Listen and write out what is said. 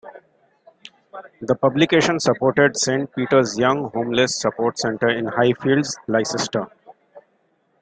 The publication supported Saint Peter's Young Homeless Support Centre in Highfields, Leicester.